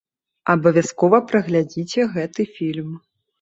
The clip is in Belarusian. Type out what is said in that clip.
Абавязкова праглядзіце гэты фільм.